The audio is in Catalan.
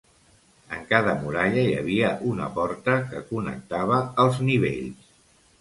En cada muralla hi havia una porta que connectava els nivells.